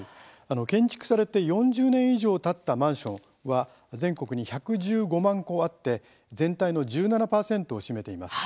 建築されて４０年以上たったマンションは全国に１１５万戸あって全体の１７％を占めています。